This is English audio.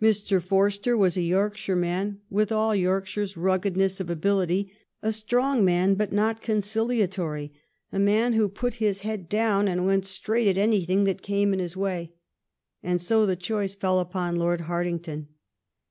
Mr. Forster was a Yorkshire man, with all York shire's rugged' ness of ability, a strong man, but not concilia tory, a man who put his head down and went straight at anything that came in his way. And so the choice fell upon Lord Hartington.